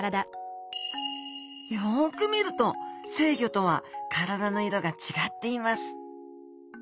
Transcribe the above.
よく見ると成魚とは体の色が違っています。